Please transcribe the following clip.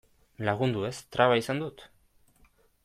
Lagundu ez, traba izan dut?